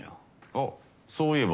あっそういえば。